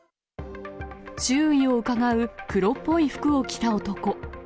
周囲をうかがう黒っぽい服を着た男。